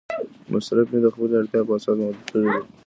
مصرف مې د خپلې اړتیا په اساس محدود کړی دی.